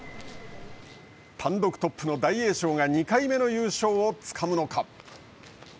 単独トップの大栄翔が２回目の優勝をつかむのか。